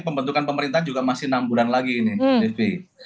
pembentukan pemerintahan juga masih enam bulan lagi ini devi